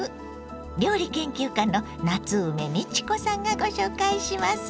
料理研究家の夏梅美智子さんがご紹介します。